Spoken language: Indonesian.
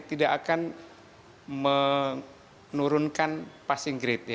tidak akan menurunkan passing grade